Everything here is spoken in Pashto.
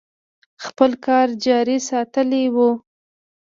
خپل کار جاري ساتلی و.